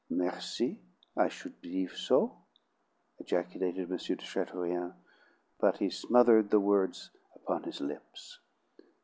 "Merci! I should believe so!" ejaculated M. de Chateaurien: but he smothered the words upon his lips.